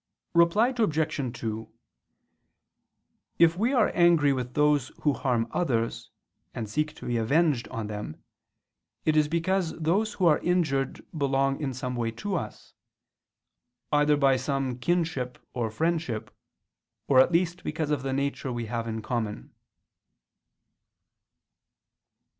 Reply Obj. 2: If we are angry with those who harm others, and seek to be avenged on them, it is because those who are injured belong in some way to us: either by some kinship or friendship, or at least because of the nature we have in common.